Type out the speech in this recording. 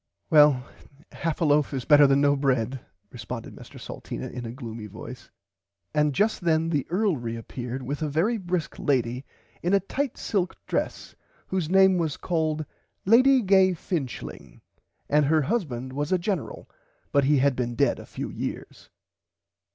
Well half a loaf is better than no bread responded Mr Salteena in a gloomy voice and just then the earl reappeard with a very brisk lady in a tight silk dress whose name was called Lady Gay Finchling and her husband was a General but had been dead a few years.